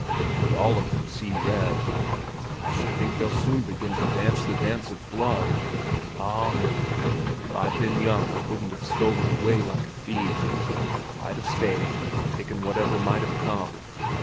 They all of them see red; I should think they'll soon begin to dance the dance of blood. Ah me, if I'd been young I wouldn't have stolen away like a thief; I'd have stayed and taken whatever might have come.